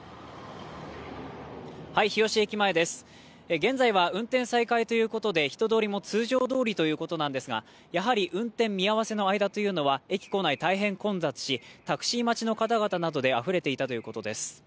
日吉駅前です、現在は運転再開ということで人通りも通常どおりということなんですが、やはり運転見合せの間というのは駅構内大変混雑し、タクシー待ちの方々などであふれていたということです。